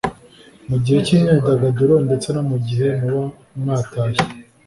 mu gihe k’imyidagaduro ndetse no mu gihe muba mwatashye